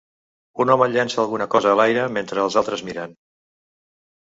Un home llença alguna cosa a l'aire mentre els altres miren.